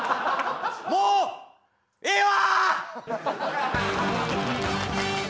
もうええわ！